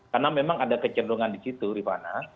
karena memang ada kecenderungan di situ rifana